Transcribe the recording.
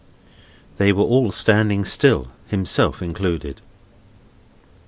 They were all standing still; himself included.